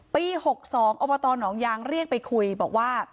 ปี๖๒อบตหนองยางเรียกไปคุยบอกว่า